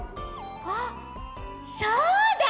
あっそうだ。